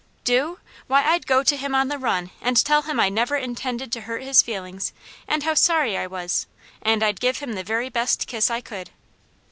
"Do? Why, I'd go to him on the run, and I'd tell him I never intended to hurt his feelings, and how sorry I was, and I'd give him the very best kiss I could."